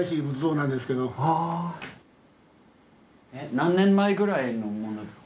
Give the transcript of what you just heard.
何年前ぐらいのものなんですか？